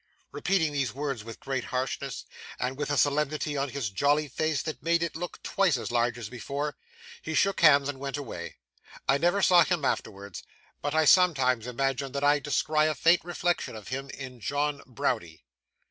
Repeating these words with great heartiness, and with a solemnity on his jolly face that made it look twice as large as before, he shook hands and went away. I never saw him afterwards, but I sometimes imagine that I descry a faint reflection of him in John Browdie.